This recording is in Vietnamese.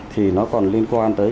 thì nó còn liên quan tới